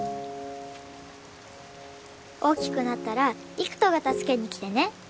大きくなったら偉人が助けに来てね。